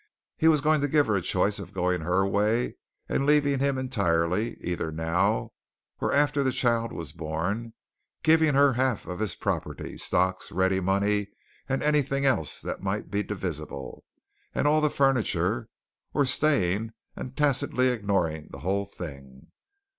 He was going to give her a choice of going her way and leaving him entirely, either now, or after the child was born, giving her the half of his property, stocks, ready money, and anything else that might be divisible, and all the furniture, or staying and tacitly ignoring the whole thing.